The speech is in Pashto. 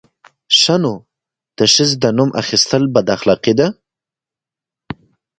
_ښه نو، د ښځې د نوم اخيستل بد اخلاقي ده!